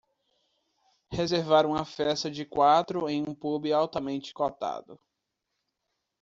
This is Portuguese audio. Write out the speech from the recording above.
reservar uma festa de quatro em um pub altamente cotado